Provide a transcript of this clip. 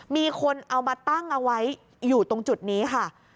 มีคนเอามาตั้งเอาไว้อยู่ตรงจุดนี้ค่ะ